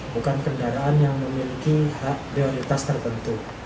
bukan kendaraan yang memiliki hak prioritas terbentuk